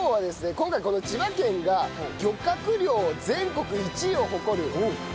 今回この千葉県が漁獲量全国１位を誇る伊勢エビ。